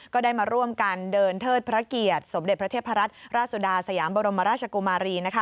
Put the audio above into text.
ก็ได้มาร่วมกันเดินเทิดพระเกียรติสมเด็จพระเทพรัตนราชสุดาสยามบรมราชกุมารี